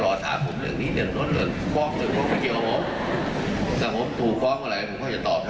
แล้วสืบไม่ต้องรอถามผมผมไม่ตอบ